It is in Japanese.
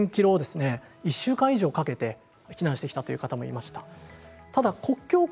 １０００ｋｍを１週間以上かけて避難したという方もいました。